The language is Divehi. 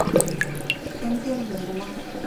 ކެންޓީނު ހިންގުމަށް